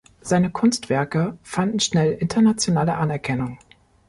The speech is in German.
Seine Kunstwerke fanden schnell internationale Anerkennung.